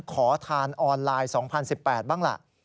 ขอทานออนไลน์๒๐๑๘บ้างล่ะ